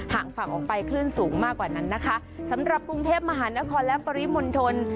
ฝั่งฝั่งออกไปคลื่นสูงมากกว่านั้นนะคะสำหรับกรุงเทพมหานครและปริมณฑล